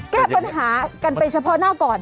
แก้ปัญหากันไปเฉพาะหน้าก่อน